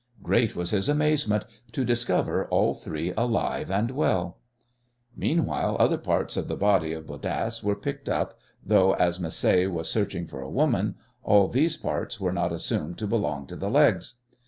Great was his amazement to discover all three alive and well! Meanwhile other parts of the body of Bodasse were picked up, though, as Macé was searching for a woman, all these parts were not assumed to belong to the legs.